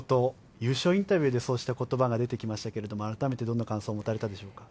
優勝インタビューでそうした言葉が出てきましたが改めてどんな感想を持たれたでしょうか。